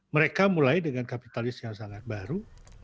mereka mulai dengan kapitalis yang sangat baru